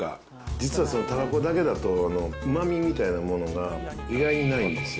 実は、そのたらこだけだと、うまみみたいなものが意外にないんですよ。